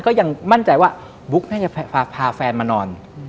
ก็ยังมั่นใจว่าบุ๊กน่าจะพาแฟนมานอน